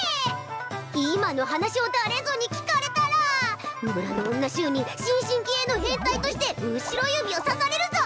今の話を誰ぞに聞かれたら村の女衆に新進気鋭の変態として後ろ指をさされるぞ！